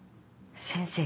先生。